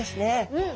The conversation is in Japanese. うん。